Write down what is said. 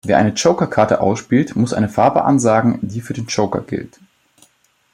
Wer eine Joker-Karte ausspielt, muss eine Farbe ansagen, die für den Joker gilt.